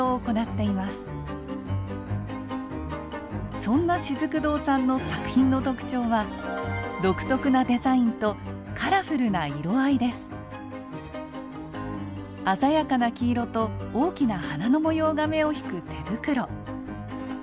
そんなしずく堂さんの作品の特徴は鮮やかな黄色と大きな花の模様が目を引く手袋。